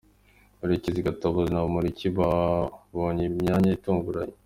Murekezi, Gatabazi na Bamporiki babonye imyanya itunguranye.